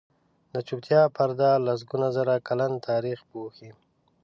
د چوپتیا پرده لسګونه زره کلن تاریخ پوښي.